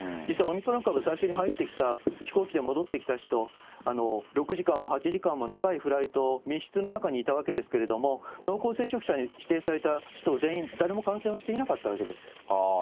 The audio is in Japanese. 実際、オミクロン株、最初に入ってきた、飛行機で戻ってきた人、６時間も８時間も、長いフライト、密室の中にいたわけですけれども、濃厚接触者に指定された人全員、誰も感染をしていなかったわけです。